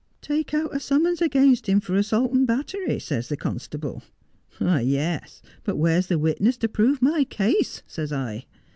" Take out a summons against him for assault and battery," says the constable. " Yes, but where's the witness to prove my case 1 " asks I.